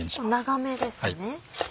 長めですね。